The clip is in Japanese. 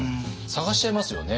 探しちゃいますよね。